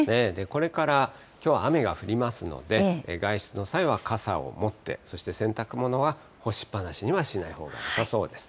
これからきょうは雨が降りますので、外出の際は傘を持って、そして、洗濯物は干しっぱなしにはしないほうがよさそうです。